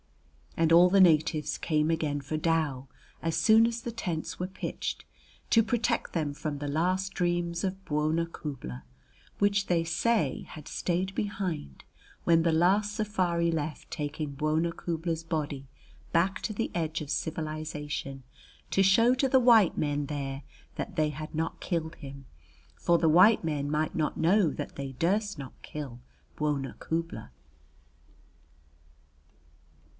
And all the natives came again for dow as soon as the tents were pitched, to protect them from the last dreams of Bwona Khubla, which they say had stayed behind when the last safari left taking Bwona Khubla's body back to the edge of civilization to show to the white men there that they had not killed him, for the white men might not know that they durst not kill Bwona Khubla.